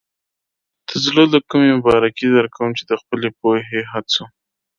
د زړۀ له کومې مبارکي درکوم چې د خپلې پوهې، هڅو.